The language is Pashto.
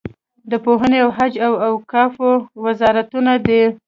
د پوهنې او حج او اوقافو وزارتونه دي.